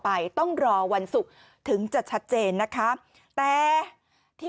ไปต้องรอวันศุกร์ถึงจะชัดเจนนะคะแต่ที่